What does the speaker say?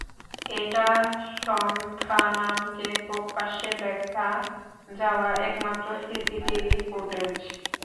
এটা সান্থানামকে প্রকাশ্যে দেখা যাওয়া একমাত্র সিসিটিভি ফুটেজ।